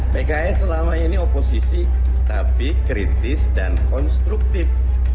pks selama ini oposisi tapi kritis dan konstruktif